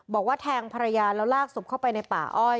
บอกว่าแทงภรรยาแล้วลากศพเข้าไปในป่าอ้อย